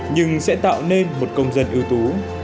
nhưng sẽ tạo nên một công dân ưu tú